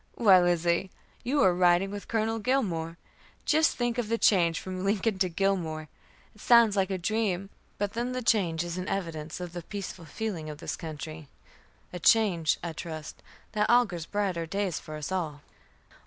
"Why, Lizzie, you are riding with Colonel Gilmore. Just think of the change from Lincoln to Gilmore! It sounds like a dream. But then the change is an evidence of the peaceful feeling of this country; a change, I trust, that augurs brighter days for us all."